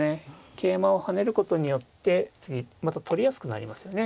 桂馬を跳ねることによって次また取りやすくなりますよね。